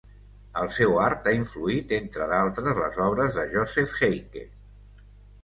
El seu art ha influït entre d'altres les obres de Joseph Heicke.